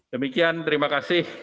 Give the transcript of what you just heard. demikian terima kasih